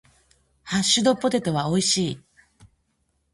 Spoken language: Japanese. ハッシュドポテトは美味しい。